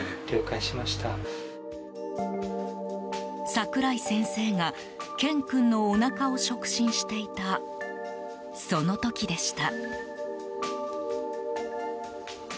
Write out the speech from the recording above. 櫻井先生がケン君のおなかを触診していた、その時でした。